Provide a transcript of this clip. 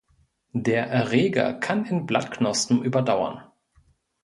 Der Erreger kann in Blattknospen überdauern.